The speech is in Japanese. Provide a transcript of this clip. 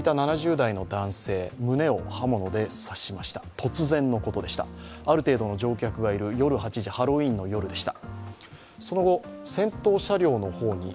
突然のことでした、ある程度の乗客がいる、夜８時ハロウィーンの夜でした。